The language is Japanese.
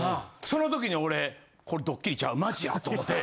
その時に俺これドッキリちゃうマジやと思て。